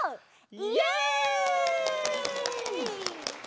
イエイ！